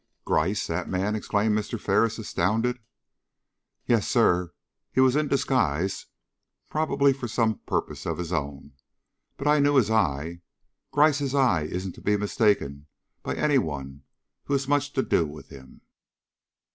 "Gryce! that man!" exclaimed Mr. Ferris, astounded. "Yes, sir. He was in disguise, probably for some purpose of his own, but I knew his eye. Gryce's eye isn't to be mistaken by any one who has much to do with him."